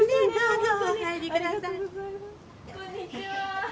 こんにちは。